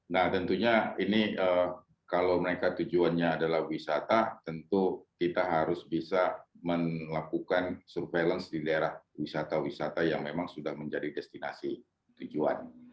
nah tentunya ini kalau mereka tujuannya adalah wisata tentu kita harus bisa melakukan surveillance di daerah wisata wisata yang memang sudah menjadi destinasi tujuan